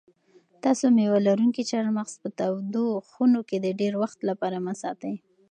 تاسو مېوه لرونکي چهارمغز په تودو خونو کې د ډېر وخت لپاره مه ساتئ.